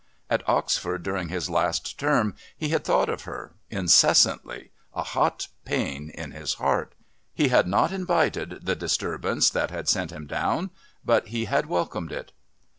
At Oxford during his last term he had thought of her incessantly, a hot pain at his heart. He had not invited the disturbance that had sent him down, but he had welcomed it.